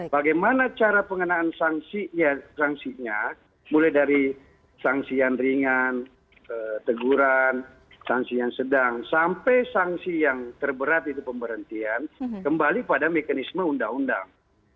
bagaimana cara pengenaan sanksinya mulai dari sanksian ringan teguran sanksian sedang sampai sanksian yang terberat itu pemberhentian kembali pada mekanisme undang undang